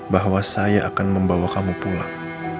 bahwa saya akan membawa kamu pulang